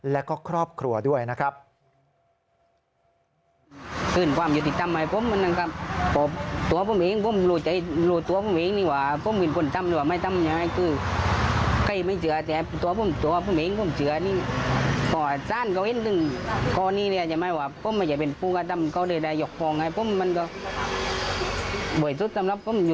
แล้วก็ครอบครัวด้วยนะครับ